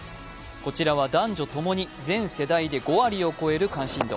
こちらは男女とともに、全世代で５割を超える関心度。